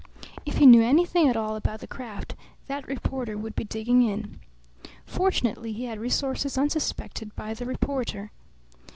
If he knew anything at all about the craft, that reporter would be digging in. Fortunately he had resources unsuspected by the reporter.